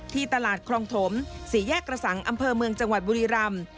ที่ตลาดครองถมสี่แยกกระสังอำเภอเมืองจังหวัดบุรีรำ